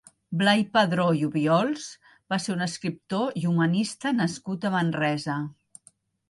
Blai Padró i Obiols va ser un escriptor i humanista nascut a Manresa.